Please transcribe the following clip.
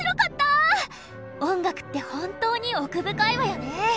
音楽って本当に奥深いわよねぇ。